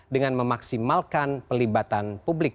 dengan memaksimalkan pelibatan publik